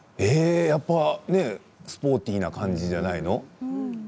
やっぱスポーティーな感じじゃないの？